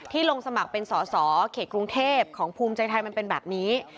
ลงสมัครเป็นสอสอเขตกรุงเทพของภูมิใจไทยมันเป็นแบบนี้